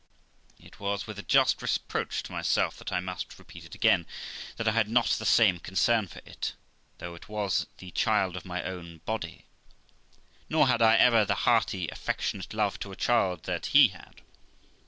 It was with a just reproach to myself that I must repeat it again, that I had not the same concern for it, though it was the child of my own body ; nor had L ever the hearty, affectionate love to the child that he had.